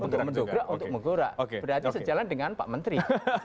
berarti sejalan dengan pak menteri